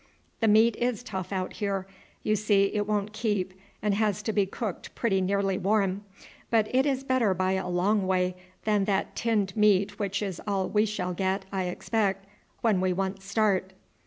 "The meat is tough out here. You see, it won't keep and has to be cooked pretty nearly warm, but it is better by a long way than that tinned meat which is all we shall get, I expect, when we once start."